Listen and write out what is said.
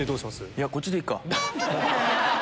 いやこっちでいいか。